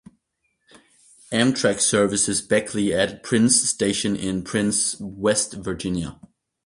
Amtrak services Beckley at Prince Station in Prince, West Virginia.